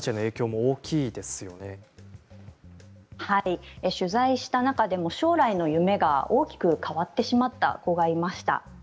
はい、取材した中でも将来の夢が大きく変わってしまった子がいました。